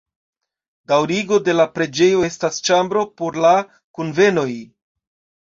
Daŭrigo de la preĝejo estas ĉambro por la kunvenoj.